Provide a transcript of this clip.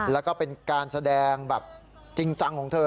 แล้วก็เป็นการแสดงแบบจริงจังของเธอ